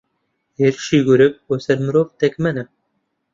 ھێرشی گورگ بۆسەر مرۆڤ دەگمەنە